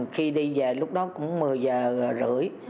khi đi về lúc đó cũng một mươi giờ rưỡi